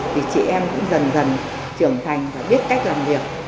thì chị em cũng dần dần trưởng thành và biết cách làm việc